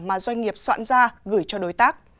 mà doanh nghiệp soạn ra gửi cho đối tác